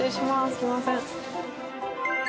すいません。